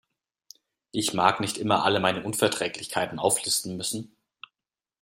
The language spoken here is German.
Ich mag nicht immer alle meine Unverträglichkeiten auflisten müssen.